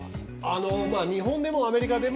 日本でもアメリカでも